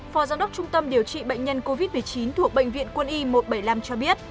phó giám đốc trung tâm điều trị bệnh nhân covid một mươi chín thuộc bệnh viện quân y một trăm bảy mươi năm cho biết